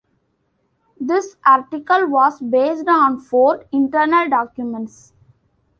This article was based on Ford internal documents.